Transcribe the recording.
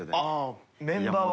メンバーは？